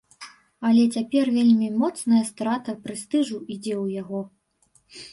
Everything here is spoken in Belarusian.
Але цяпер вельмі моцная страта прэстыжу ідзе ў яго!